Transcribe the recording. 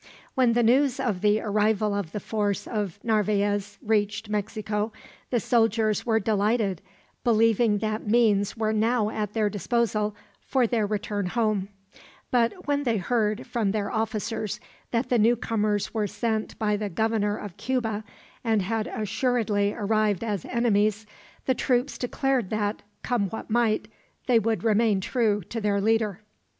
When the news of the arrival of the force of Narvaez reached Mexico, the soldiers were delighted, believing that means were now at their disposal for their return home; but when they heard, from their officers, that the newcomers were sent by the Governor of Cuba, and had assuredly arrived as enemies, the troops declared that, come what might, they would remain true to their leader.